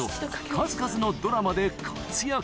数々のドラマで活躍